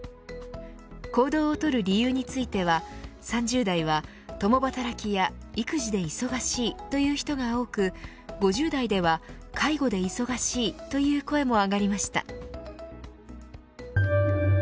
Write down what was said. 行動をとる理由については３０代は、共働きや育児で忙しい、という人が多く５０代では介護で忙しいという声も上がりました。